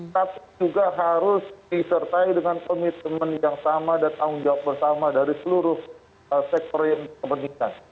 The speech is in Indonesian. tapi juga harus disertai dengan komitmen yang sama dan tanggung jawab bersama dari seluruh sektor yang berkepentingan